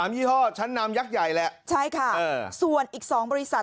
ยี่ห้อชั้นนำยักษ์ใหญ่แหละใช่ค่ะส่วนอีก๒บริษัท